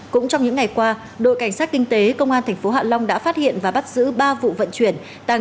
cũng trong những ngày qua đội cảnh sát kinh tế công an tp hạ long đã phát hiện và bắt giữ ba vụ vận chuyển